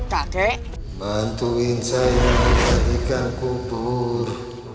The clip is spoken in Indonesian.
kakek bantuin saya mencarikan kubur